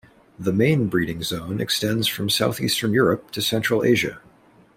The main breeding zone extends from south-eastern Europe to central Asia.